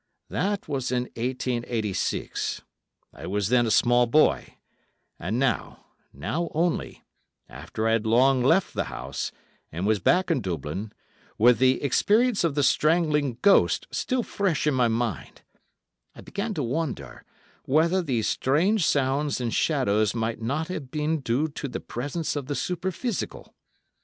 That was in 1886; I was then a small boy, and now—now only—after I had long left the house, and was back in Dublin, with the experience of the strangling ghost still fresh in my mind, I began to wonder whether these strange sounds and shadows might not have been due to the presence of the Superphysical.